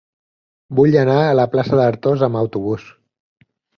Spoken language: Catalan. Vull anar a la plaça d'Artós amb autobús.